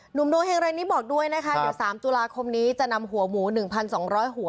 หนุ่มโดเฮงเร่นนี้บอกด้วยนะคะเดี๋ยวสามจุฬาคมนี้จะนำหัวหมูหนึ่งพันสองร้อยหัว